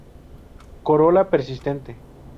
Corola persistente.